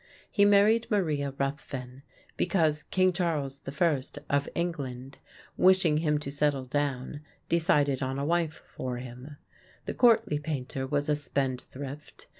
He married Maria Ruthven because King Charles I, of England, wishing him to settle down, decided on a wife for him. The courtly painter was a spendthrift.